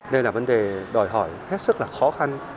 đây là vấn đề đòi hỏi hết sức là khó khăn